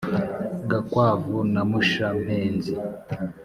gakwavu na mushampenzi